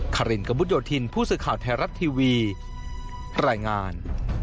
คารินกระมุดโยธินผู้สื่อข่าวไทยรัฐทีวีรายงาน